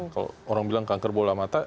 kalau orang bilang kanker bola mata